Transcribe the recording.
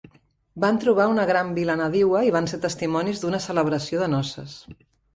Van trobar una gran Vila nadiua i van ser testimonis d'una celebració de noces.